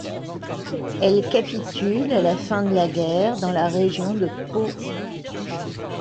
Elle capitule à la fin de la guerre dans la région de Pô.